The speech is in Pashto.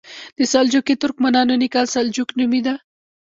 د سلجوقي ترکمنانو نیکه سلجوق نومېده.